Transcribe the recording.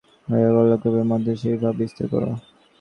তারপর এই অল্পসংখ্যক লোকের মধ্যে সেই ভাব বিস্তার কর।